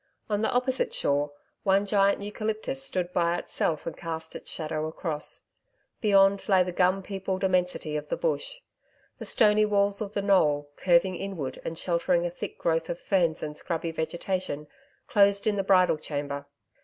On the opposite shore, one giant eucalyptus stood by itself and cast its shadow across. Beyond, lay the gum peopled immensity of the bush. The stony walls of the knoll, curving inward and sheltering a thick growth of ferns and scrubby vegetation, closed in the bridal chamber.